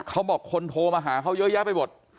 เขาบอกคนโทรมาหาเขาเยอะแยะไปหมด